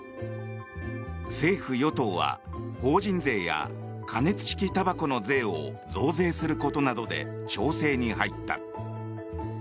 政府・与党は法人税や加熱式たばこの税を増税することなどで調整に入った。